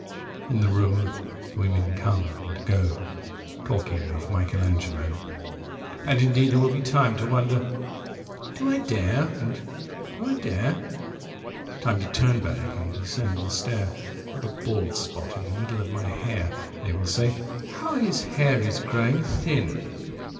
35In the room the women come and go36Talking of Michelangelo.37And indeed there will be time38To wonder, "Do I dare?" and, "Do I dare?"39Time to turn back and descend the stair,40With a bald spot in the middle of my hair 41(They will say: 'How his hair is growing thin!")